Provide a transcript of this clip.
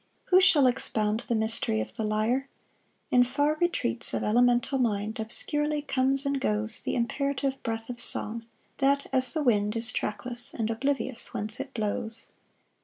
Who shall expound the mystery of the lyre? In far retreats of elemental mind Obscurely comes and goes The imperative breath of song, that as the wind Is trackless, and oblivious whence it blows.